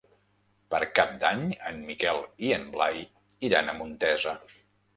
Per Cap d'Any en Miquel i en Blai iran a Montesa.